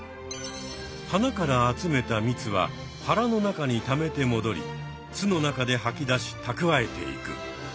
花から集めた蜜ははらの中にためてもどり巣の中で吐き出したくわえていく。